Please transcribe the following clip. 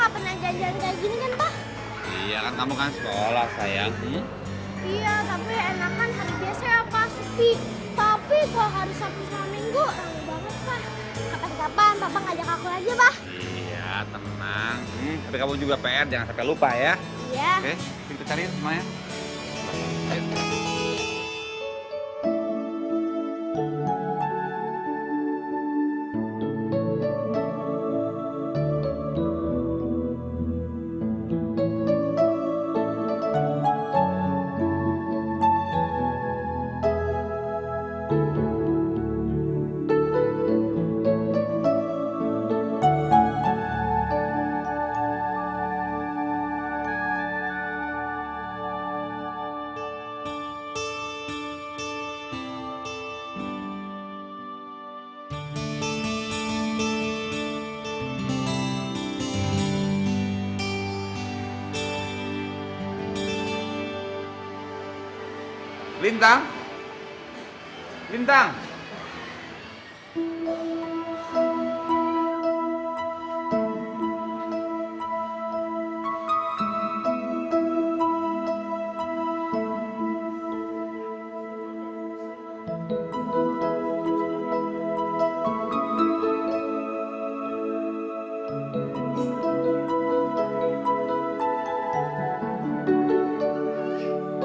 pah biasanya kita ga pernah janjian kayak gini kan pah